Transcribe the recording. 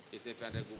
di atas gapura